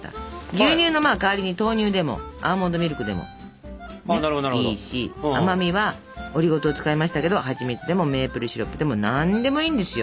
牛乳の代わりに豆乳でもアーモンドミルクでもいいし甘みはオリゴ糖を使いましたけどはちみつでもメープルシロップでも何でもいいんですよ。